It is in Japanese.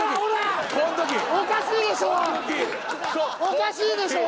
おかしいでしょ！